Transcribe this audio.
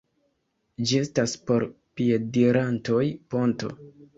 Ĝi estas por piedirantoj ponto.